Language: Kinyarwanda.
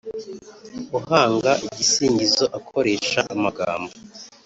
Uhanga igisingizo akoresha amagambo